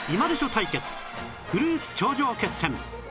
対決フルーツ頂上決戦